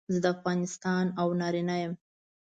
زه د افغانستان او نارینه یم.